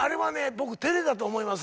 僕てれだと思います。